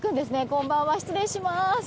こんばんは、失礼します。